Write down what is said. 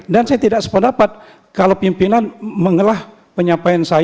dan saya tidak sependapat kalau pimpinan mengalah penyampaian saya